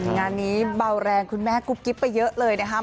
งานนี้เบาแรงคุณแม่กุ๊บกิ๊บไปเยอะเลยนะครับ